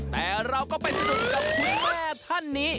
แต่เราก็ไปสนุกกับคุณแม่ท่านนี้